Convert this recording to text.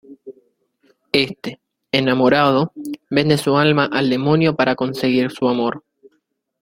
Este, enamorado, vende su alma al Demonio para conseguir su amor.